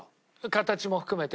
形も含めて。